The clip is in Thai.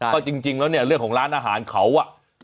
ก็จริงแล้วเนี่ยเรื่องของร้านอาหารเขาอ่ะ